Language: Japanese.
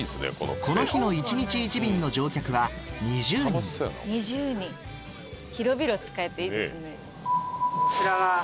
この日の１日１便の乗客は２０人２０人広々使えていいですね。